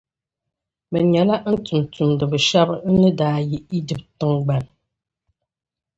Bɛ nyɛla n tumtumdi’ shɛba n ni daa yihi Ijipti tiŋgbɔŋ.